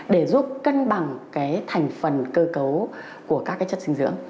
để giúp cân bằng cái thành phần cơ cấu của các chất dinh dưỡng